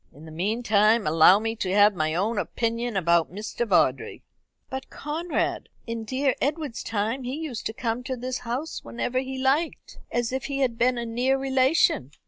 In the meantime, allow me to have my own opinion about Mr. Vawdrey." "But, Conrad, in dear Edward's time he used to come to this house whenever he liked, as if he had been a near relation.